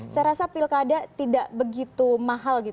saya rasa pilkada tidak begitu mahal